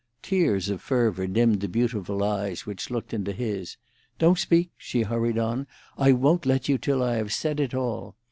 Tears of fervour dimmed the beautiful eyes which looked into his. "Don't speak!" she hurried on. "I won't let you till I have said it all.